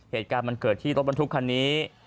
เหตุการณ์มันเกิดที่รถบรรทุกคันนี้